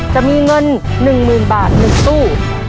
จะมีเงิน๑๐๐๐บาท๑ตู้